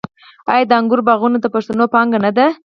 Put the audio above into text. آیا د انګورو باغونه د پښتنو پانګه نه ده؟